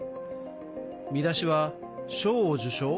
見出しは章を受章？